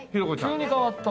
急に変わった。